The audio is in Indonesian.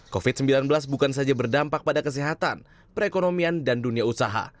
covid sembilan belas bukan saja berdampak pada kesehatan perekonomian dan dunia usaha